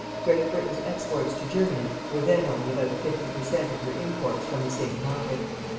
Great Britain's exports to Germany were then only about fifty per cent of her imports from the same market.